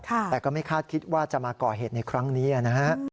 แต่ก็ไม่คาดคิดว่าจะมาก่อเหตุในครั้งนี้นะฮะ